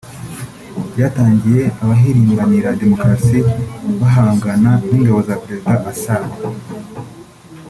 Byatangiye abahirimbanira demokarasi bahangana n’ingabo za Perezida Assad